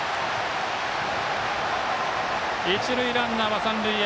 一塁ランナーは三塁へ。